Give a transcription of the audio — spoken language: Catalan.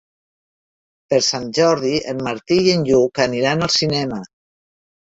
Per Sant Jordi en Martí i en Lluc aniran al cinema.